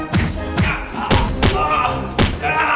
terus apalagi seorang kukatil